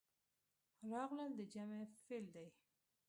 راغلل د جمع فعل دی.